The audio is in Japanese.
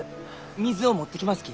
水を持ってきますき